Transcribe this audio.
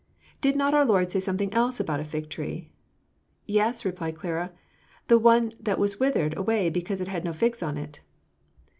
Did not our Lord say something else about a fig tree?" Matt. xxiv. 32. "Yes," replied Clara; "the one that was withered away because it had no figs on it."